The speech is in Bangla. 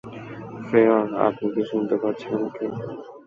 ফ্রেয়র, আপনি কি শুনতে পাচ্ছেন আমাকে?